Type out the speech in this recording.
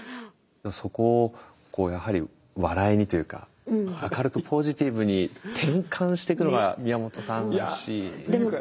そこをやはり笑いにというか明るくポジティブに転換していくのが宮本さんらしい。